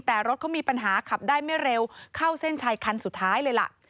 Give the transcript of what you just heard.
แต่รถเขามีปัญหาขับได้ไม่เร็วเข้าเส้นชัยคันสุดท้ายเลยล่ะ